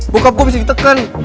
bokap gue bisa ditekan